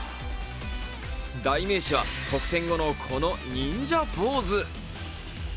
代名詞は得点後のこの忍者ポーズ。